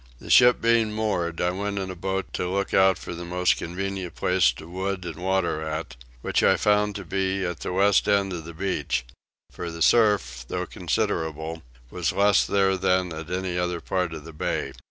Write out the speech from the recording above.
The ship being moored I went in a boat to look out for the most convenient place to wood and water at, which I found to be at the west end of the beach: for the surf, though considerable, was less there than at any other part of the bay.